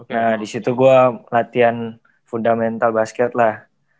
nah disitu gue latihan fundamental basket lah